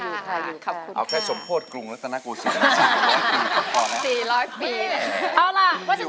เอาแค่สมโพธิ์กรุงแล้วตอนนั้นกูออก